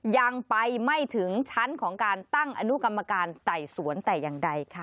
ยังไปไม่ถึงชั้นของการตั้งอนุกรรมการไต่สวนแต่อย่างใดค่ะ